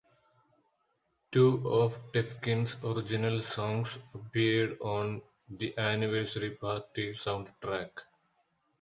Two of Tefkin's original songs appeared on "The Anniversary Party" soundtrack.